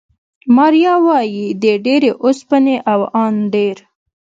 ماریا وايي، د ډېرې اوسپنې او ان ډېر